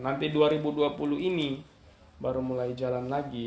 nanti dua ribu dua puluh ini baru mulai jalan lagi